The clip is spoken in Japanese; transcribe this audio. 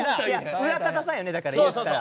裏方さんよねだから言ったら。